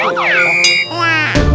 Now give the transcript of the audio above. tuh liat tuh